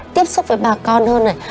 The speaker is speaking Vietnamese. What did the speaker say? tiếp xúc với bà con hơn này